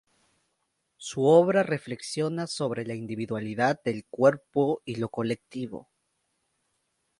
Su obra reflexiona sobre la individualidad del cuerpo y lo colectivo.